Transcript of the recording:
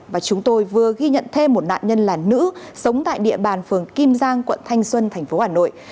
và chúng tôi vừa ghi nhận thêm một nạn nhân là nữ sống tại địa bàn phường kim giang quận thanh xuân tp hà nội